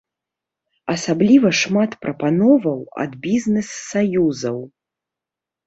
Асабліва шмат прапановаў ад бізнэс-саюзаў.